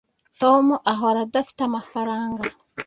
tom ahora adafite amafaranga